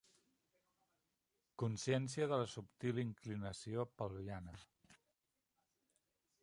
Consciència de la subtil inclinació pelviana.